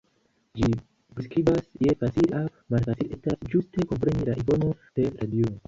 Ĝi priskribas kiel facile aŭ malfacile estas ĝuste kompreni la informon per radio.